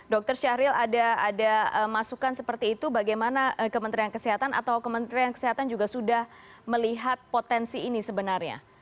dr syahril ada masukan seperti itu bagaimana kementerian kesehatan atau kementerian kesehatan juga sudah melihat potensi ini sebenarnya